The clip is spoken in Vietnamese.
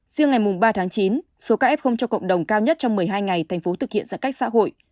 siêu ngày mùng ba tháng chín số ca f cho cộng đồng cao nhất trong một mươi hai ngày tp hcm thực hiện giãn cách xã hội